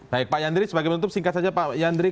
baik pak yandri sebagai penutup singkat saja pak yandri